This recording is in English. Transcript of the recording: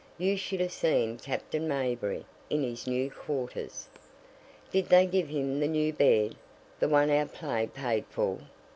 You should have seen Captain Mayberry in his new quarters." "Did they give him the new bed? The one our play paid for?"